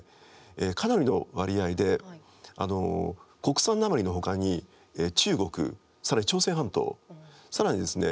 かなりの割合で国産鉛のほかに中国更に朝鮮半島更にですね